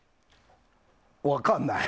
分かんない。